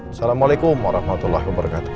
assalamualaikum warahmatullahi wabarakatuh